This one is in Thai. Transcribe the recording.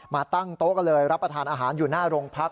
มาตั้งโต๊ะก็เลยรับประทานอาหารอยู่หน้าโรงพัก